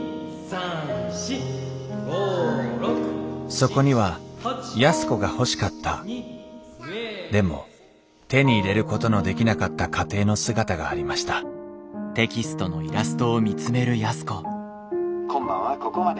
そこには安子が欲しかったでも手に入れることのできなかった家庭の姿がありました「今晩はここまで。